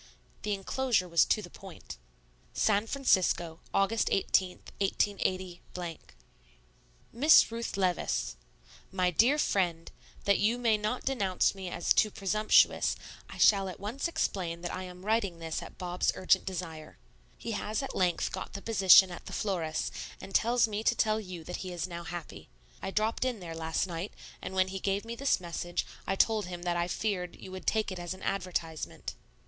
The enclosure was to the point. SAN FRANCISCO, Aug. 18, 188 . MISS RUTH LEVICE: MY DEAR FRIEND, That you may not denounce me as too presumptuous, I shall at once explain that I am writing this at Bob's urgent desire. He has at length got the position at the florist's, and tells me to tell you that he is now happy. I dropped in there last night; and when he gave me this message, I told him that I feared you would take it as an advertisement.